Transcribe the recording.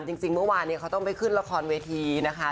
จริงเมื่อวานเนี่ยเขาต้องไปขึ้นละครเวทีนะคะ